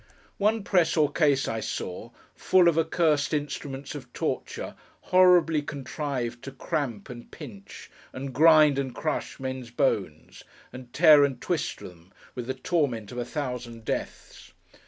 One press or case I saw, full of accursed instruments of torture horribly contrived to cramp, and pinch, and grind and crush men's bones, and tear and twist them with the torment of a thousand deaths.